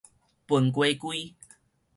歕雞胿